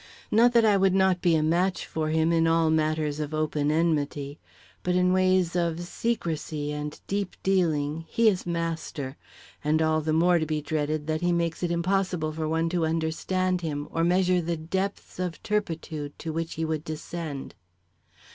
Not that I would not be a match for him in all matters of open enmity; but in ways of secrecy and deep dealing, he is master, and all the more to be dreaded that he makes it impossible for one to understand him or measure the depths of turpitude to which he would descend.